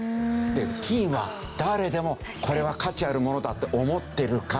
金は誰でもこれは価値あるものだって思ってるから。